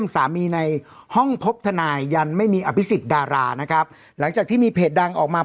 สามีในห้องพบทนายยันไม่มีอภิษฎารานะครับหลังจากที่มีเพจดังออกมา